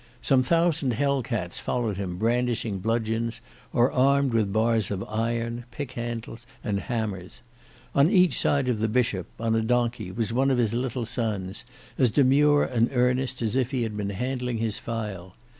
Some thousand Hell cats followed him brandishing bludgeons, or armed with bars of iron, pickhandles, and hammers. On each side of the Bishop, on a donkey, was one of his little sons, as demure and earnest as if he were handling his file.